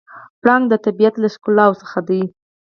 پړانګ د طبیعت له ښکلاوو څخه دی.